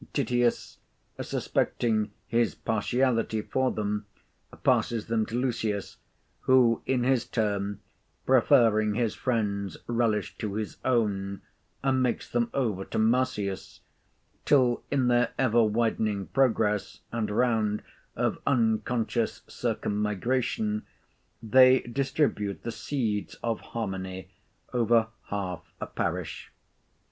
Titius (suspecting his partiality for them) passes them to Lucius; who in his turn, preferring his friend's relish to his own, makes them over to Marcius; till in their ever widening progress, and round of unconscious circum migration, they distribute the seeds of harmony over half a parish.